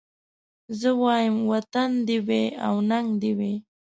زه وايم وطن دي وي او ننګ دي وي